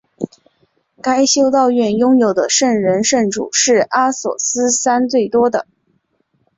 该修道院拥有的圣人圣髑是阿索斯山最多的。